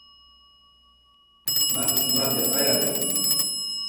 Na isimadi aya reni?